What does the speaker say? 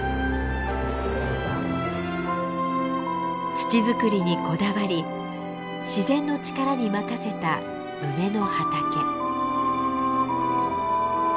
土づくりにこだわり自然の力に任せた梅の畑。